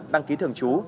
đăng ký thường trú